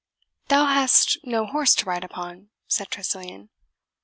"Thou hast no horse to ride upon," said Tressilian.